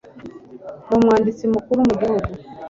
Ni umwanditsi mukuru mu gihugu.